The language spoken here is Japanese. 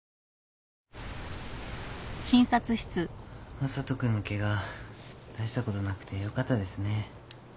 真人君のケガ大したことなくてよかったですね。